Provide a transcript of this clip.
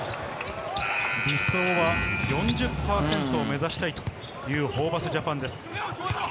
理想は４０％を目指したいというホーバスＪＡＰＡＮです。